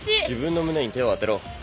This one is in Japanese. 自分の胸に手を当てろ。